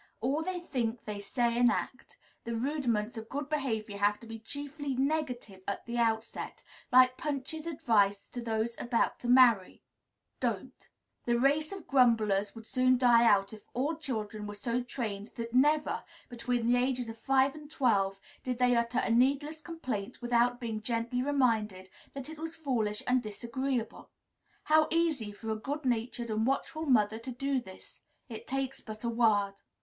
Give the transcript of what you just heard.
All they think they say and act. The rudiments of good behavior have to be chiefly negative at the outset, like Punch's advice to those about to marry, "Don't." The race of grumblers would soon die out if all children were so trained that never, between the ages of five and twelve, did they utter a needless complaint without being gently reminded that it was foolish and disagreeable. How easy for a good natured and watchful mother to do this! It takes but a word.